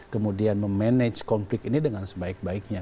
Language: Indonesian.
kemudian memanage konflik ini dengan sebaik baiknya